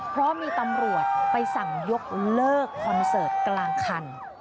เพราะมีตำรวจไปสั่งยกเลิกคอนเสิร์ตกลางคัน